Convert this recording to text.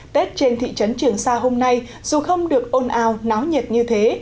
tết trên thị trấn trường sa hôm nay dù không được ồn ào náo nhiệt như thế